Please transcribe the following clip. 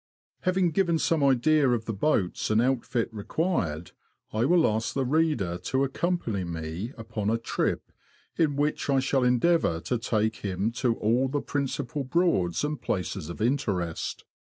AVING given some idea of the boats and ^^^3lI* outfit required, I will ask the reader to JLLtL2 accompany me upon a trip in which I shall endeavour to take him to all the principal Broads and places of interest.